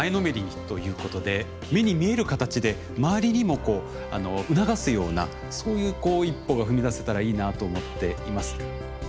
目に見える形で周りにも促すようなそういう一歩が踏み出せたらいいなと思っています。